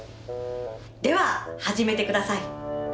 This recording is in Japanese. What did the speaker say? では始めてください。